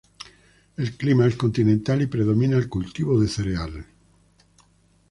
El clima es continental, y predomina el cultivo de cereal.